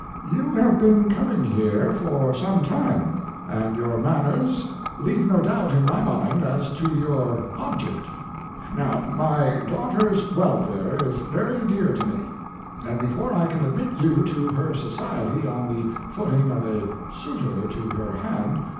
You have been coming here for some time and your manners leave no doubt in my mind as to your object. Now, rny daughter s welfare is very dear to me,., and before I can admit you to her society on the footing of a suitor to her hand.